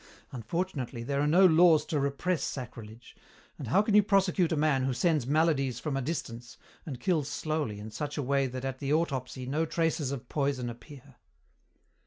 Unfortunately, there are no laws to repress sacrilege, and how can you prosecute a man who sends maladies from a distance and kills slowly in such a way that at the autopsy no traces of poison appear?"